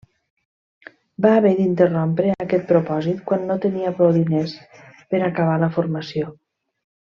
Va haver d'interrompre aquest propòsit quan no tenia prou diners per acabar la formació.